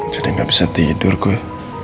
jadi gak bisa tidur gue